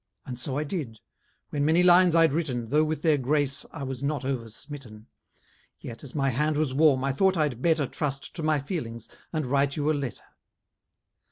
And so I did. When many lines I'd written, Though with their grace I was not oversmitten, Yet, as my hand was warm, I thought I'd better Trust to my feelings, and write you a letter.